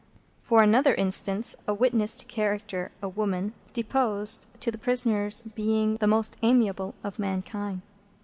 For another instance: a witness to character, a woman, deposed to the prisoner's being the most amiable of mankind.